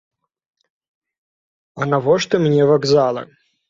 А навошта мне вакзалы?